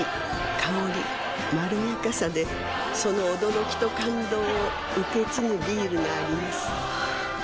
香りまろやかさでその驚きと感動を受け継ぐビールがあります